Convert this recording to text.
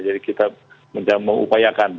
jadi kita mencoba mengupayakan